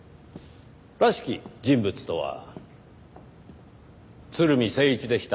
らしき人物とは鶴見征一でした。